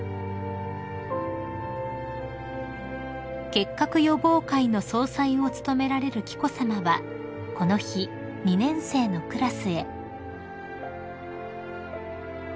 ［結核予防会の総裁を務められる紀子さまはこの日２年生のクラスへ］